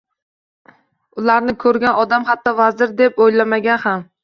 Ularni ko'rgan odam hatto vazir deb o'ylamagan ham.